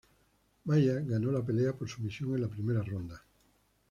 Maia ganó la pelea por sumisión en la primera ronda.